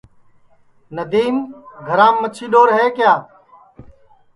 ندیم گھرام مچھی ڈؔور دھاگا ہے کیا